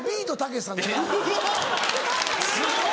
・すごい！